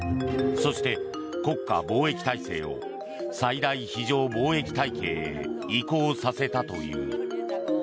そして、国家防疫体制を最大非常防疫体系へ移行させたという。